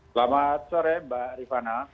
selamat sore mbak rifana